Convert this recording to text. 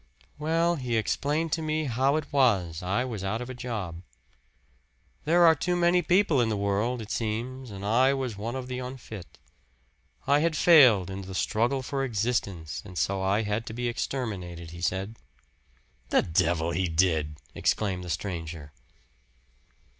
"Well, he explained to me how it was I was out of a job. There are too many people in the world, it seems, and I was one of the unfit. I had failed in the struggle for existence, and so I had to be exterminated, he said." "The devil he did!" exclaimed the stranger.